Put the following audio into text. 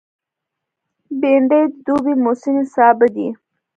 بېنډۍ د دوبي موسمي سابه دی